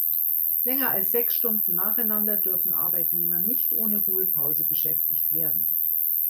Länger als sechs Stunden nacheinander dürfen Arbeitnehmer nicht ohne Ruhepause beschäftigt werden.